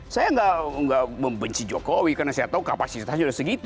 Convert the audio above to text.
saya nggak membenci jokowi karena saya tahu kapasitasnya sudah segitu